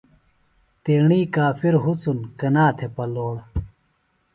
تیݨی کافِر حُسن کنا تھےۡ پلوڑ۔